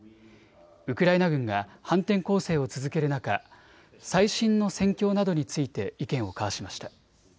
ウクライナ軍が反転攻勢を続ける中、最新の戦況などについて意見を交わしました。